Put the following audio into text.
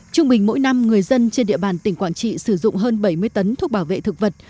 trung bình mỗi năm người dân trên địa bàn tỉnh quảng trị sử dụng hơn bảy mươi tấn thuốc bảo vệ thực vật